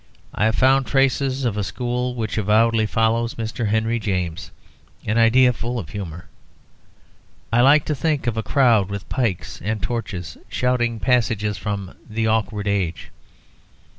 I have found traces of a school which avowedly follows Mr. Henry James: an idea full of humour. I like to think of a crowd with pikes and torches shouting passages from "The Awkward Age."